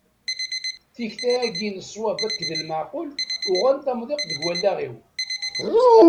Tikta-agi n ṣwab akked lmeɛqul uɣent amḍiq deg wallaɣ-iw.